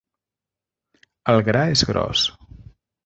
El gra és gros.